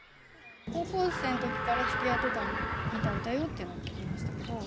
高校生のときからつきあってたみたいだよっていうのは聞きましたけど。